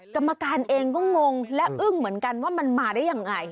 กรรมการเองก็งงและอึ้งเหมือนกันว่ามันมาได้ยังไง